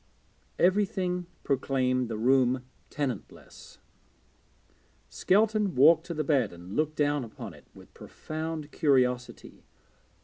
Everything proclaimed the room tenantless. Skelton walked to the bed and looked down upon it with profound curiosity.